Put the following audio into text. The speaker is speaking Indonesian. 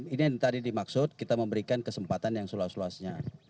ini yang tadi dimaksud kita memberikan kesempatan yang seluas luasnya